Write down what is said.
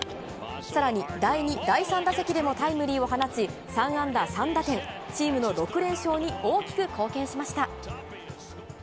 さらに、第２、第３打席でもタイムリーを放ち、３安打３打点、チームの６連勝に大きく貢献しました。